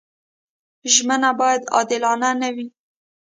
ژمنه باید عادلانه وي.